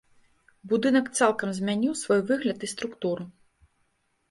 Будынак цалкам змяніў свой выгляд і структуру.